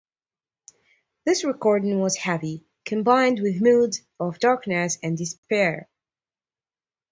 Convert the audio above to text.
This recording was heavy, combined with moods of darkness and despair.